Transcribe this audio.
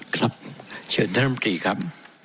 ครับเชิญนพริกครับ